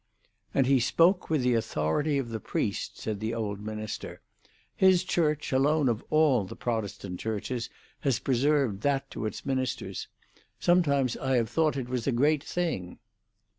"And he spoke with the authority of the priest," said the old minister. "His Church alone of all the Protestant Churches has preserved that to its ministers. Sometimes I have thought it was a great thing."